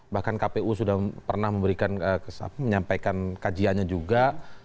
bahkan kpu sudah pernah memberikan menyampaikan kajiannya juga